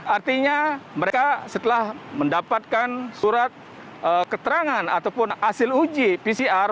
artinya mereka setelah mendapatkan surat keterangan ataupun hasil uji pcr